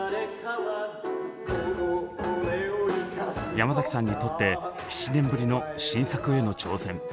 山崎さんにとって７年ぶりの新作への挑戦。